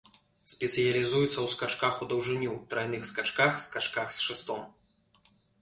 Спецыялізуецца ў скачках у даўжыню, трайных скачках, скачках з шастом.